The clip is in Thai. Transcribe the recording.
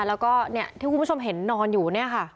แล้วก็ที่คุณผู้ชมเห็นนอนอยู่เนี่ยค่ะ